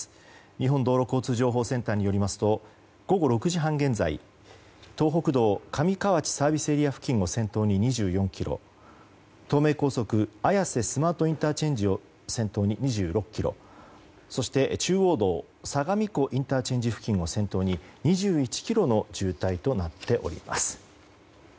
日本道路交通情報センターによりますと午後６時半現在、東北道上河内ＳＡ付近を先頭に２４ｋｍ東名高速、綾瀬スマートＩＣを先頭に２６ｋｍ中央道、相模湖ＩＣ付近を先頭に２１ｋｍの渋滞となっております。